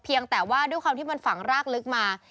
แต่ว่าด้วยความที่มันฝังรากลึกมา